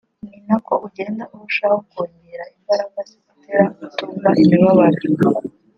ni nako ugenda urushaho kongera imbaraga zigutera kutumva imibabaro